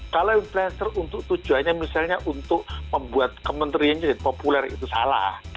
kalau influencer untuk tujuannya misalnya untuk membuat kementeriannya jadi populer itu salah